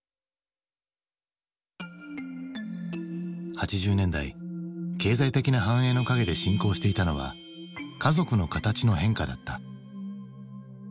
８０年代経済的な繁栄の陰で進行していたのは家族の形の変化だった。